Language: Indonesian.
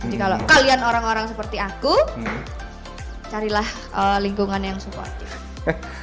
jadi kalau kalian orang orang seperti aku carilah lingkungan yang sukuatif